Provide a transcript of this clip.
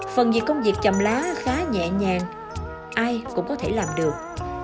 phần việc công việc chầm lá khá nhẹ nhàng ai cũng có thể làm được